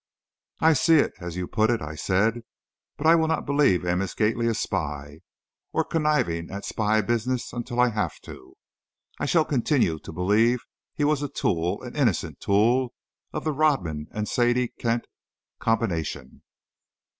"I see it, as you put it," I said, "but I will not believe Amos Gately a spy, or conniving at spy business until I have to. I shall continue to believe he was a tool an innocent tool of the Rodman and Sadie Kent combination."